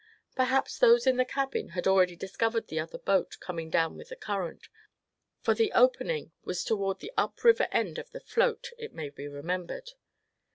Perhaps those in the cabin had already discovered the other boat coming down with the current, for the opening was toward the up river end of the float, it may be remembered.